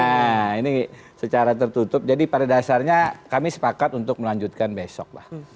nah ini secara tertutup jadi pada dasarnya kami sepakat untuk melanjutkan besok lah